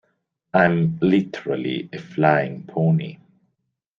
I'm literally a flying pony.